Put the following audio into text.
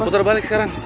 puter balik sekarang